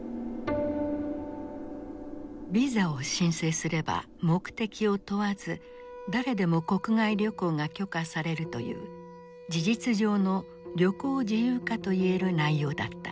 ビザを申請すれば目的を問わず誰でも国外旅行が許可されるという事実上の旅行自由化といえる内容だった。